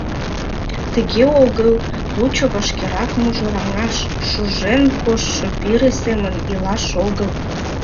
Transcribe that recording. Тыге огыл, лучо вашкерак мужыраҥаш, шужен коштшо пире семын илаш огыл.